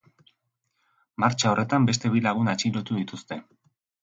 Martxa horretan beste bi lagun atxilotu dituzte.